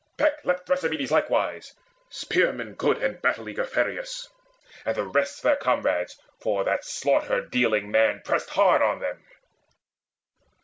Back leapt Thrasymedes likewise, spearman good, And battle eager Phereus, and the rest Their comrades; for that slaughter dealing man Pressed hard on them.